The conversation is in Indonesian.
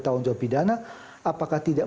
tanggung jawab pidana apakah tidak